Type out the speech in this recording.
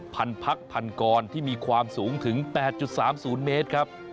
พันพักพันกรที่มีความสูงถึง๘๓๐เมตรครับ